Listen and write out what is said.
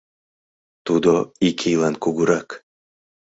Тудо ик ийлан кугурак.